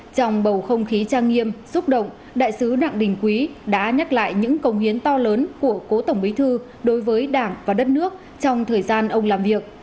trong bầu không khí trang nghiêm xúc động đại sứ đặng đình quý đã nhắc lại những công hiến to lớn của cố tổng bí thư đối với đảng và đất nước trong thời gian ông làm việc